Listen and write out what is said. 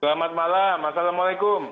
selamat malam assalamualaikum